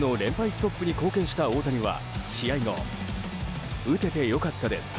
ストップに貢献した大谷は試合後打てて良かったです